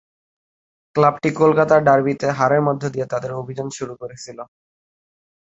ক্লাবটি কলকাতা ডার্বিতে হারের মধ্য দিয়ে তাদের অভিযান শুরু করেছিল।